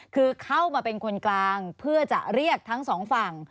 คือเข้ามาเป็นคนกลางเพื่อจะเรียกทั้งสองฝั่ง